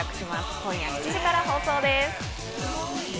今夜７時から放送です。